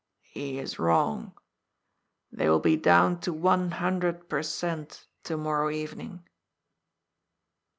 " He is wrong. They will be down to one hundred per cent, to morrow evening."